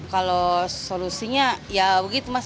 kalau solusinya ya begitu mas